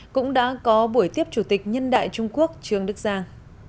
cũng đã có buổi tiếp chủ tịch nhân đại trung quốc trương đức giang